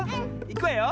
いくわよ。